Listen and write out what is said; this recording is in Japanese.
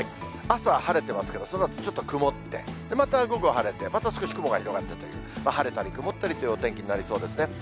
朝晴れてますけど、そのあとちょっと曇って、また午後晴れて、また少し雲が広がってという、晴れたり曇ったりというお天気になりそうですね。